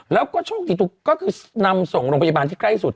แล้วก็โชคดีก็คือนำส่งโรงพยาบาลที่ใกล้สุด